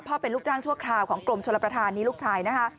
เป็นลูกจ้างชั่วคราวของกรมชลประธานนี้ลูกชายนะคะ